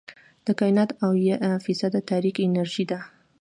د کائنات اويا فیصده تاریک انرژي ده.